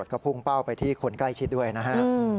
ก็พุ่งเป้าไปที่คนใกล้ชิดด้วยนะฮะ